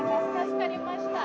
助かりました。